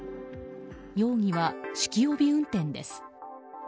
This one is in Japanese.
容疑は酒気帯び運転です。